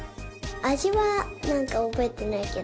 あじはなんかおぼえてないけど。